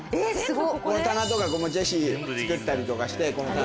この棚とかジェシー作ったりとかしてこの棚。